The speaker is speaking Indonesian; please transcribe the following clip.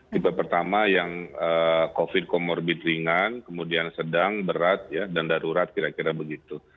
tipe pertama yang covid comorbid ringan kemudian sedang berat dan darurat kira kira begitu